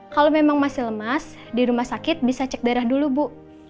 kalau memang masih lemas di rumah sakit bisa cek darah dulu bu